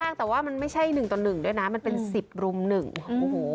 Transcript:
แต่ว่ามันไม่ใช่หนึ่งต่อหนึ่งด้วยนะมันเป็นสิบรุมหนึ่งโอ้โห